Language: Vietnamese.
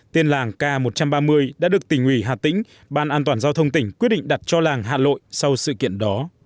tên làng k một trăm ba mươi đã được tỉnh ủy hà tĩnh ban an toàn giao thông tỉnh quyết định đặt cho làng hạ lội sau sự kiện đó